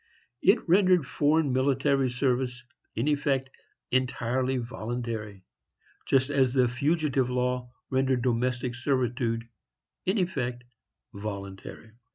It rendered foreign military service, in effect, entirely voluntary, just as the fugitive law rendered domestic servitude, in effect, voluntary.